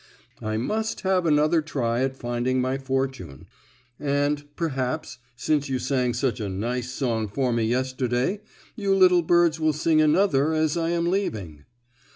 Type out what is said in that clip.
"I must have another try at finding my fortune. And, perhaps, since you sang such a nice song for me yesterday, you little birds will sing another as I am leaving."